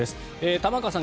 玉川さん